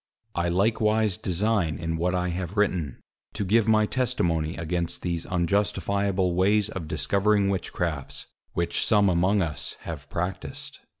I likewise design in what I have written, to give my testimony against these unjustifiable ways of discovering Witchcrafts, which some among us have practised.